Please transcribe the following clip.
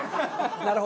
なるほどね。